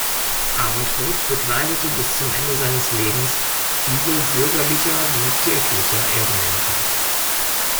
Abendroth bekleidete bis zum Ende seines Lebens viele bürgerlicher wie kirchlicher Ehrenämter.